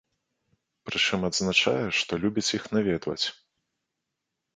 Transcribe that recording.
Прычым, адзначае, што любіць іх наведваць.